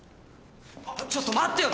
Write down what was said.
ちょっと待ってよ